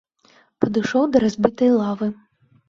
Падышоў да разбітай лавы.